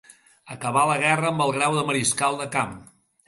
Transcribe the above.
Acabà la guerra amb el grau de mariscal de camp.